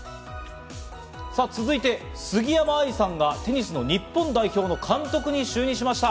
さぁ、続いて杉山愛さんがテニスの日本代表の監督に就任しました。